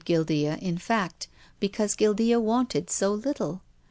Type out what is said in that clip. Guildea, in fact, because Guildea wanted so little.